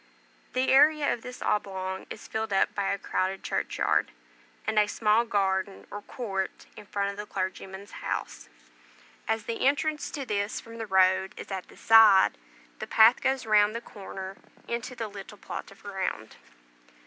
The area of this oblong is filled up by a crowded churchyard, and a small garden or court in front of the clergyman's house. As the entrance to this from the road is at the side, the path goes round the corner into the little plot of ground.